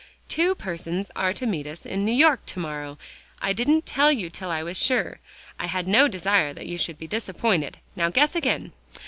Two persons are to meet us in New York to morrow. I didn't tell you till I was sure; I had no desire that you should be disappointed. Now guess again."